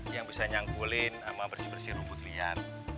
yang bisa nyangkulin sama bersih bersih rumput liar